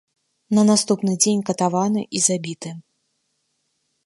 На наступны дзень катаваны і забіты.